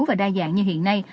và đa dạng như hiện nay